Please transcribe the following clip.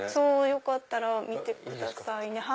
よかったら見てください。